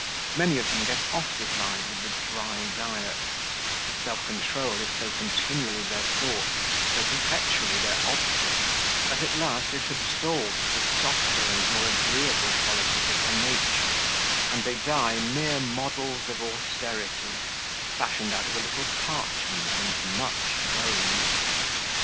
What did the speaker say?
Many of them get ossified with the dry diet; self control is so continually their thought, so perpetually their object, that at last it absorbs the softer and more agreeable qualities of their nature; and they die mere models of austerity, fashioned out of a little parchment and much bone.